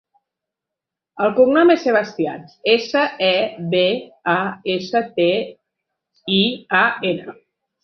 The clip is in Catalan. El cognom és Sebastian: essa, e, be, a, essa, te, i, a, ena.